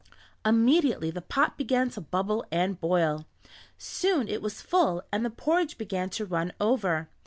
Immediately the pot began to bubble and boil. Soon it was full and the porridge began to run over.